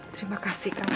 terima kasih kang